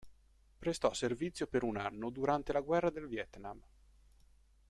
Prestò servizio per un anno durante la guerra del Vietnam.